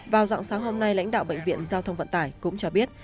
vào dạng sáng hôm nay lãnh đạo bệnh viện giao thông vận tải cũng cho biết